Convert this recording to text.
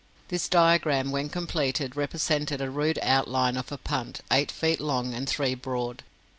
This diagram when completed represented a rude outline of a punt, eight feet long and three broad.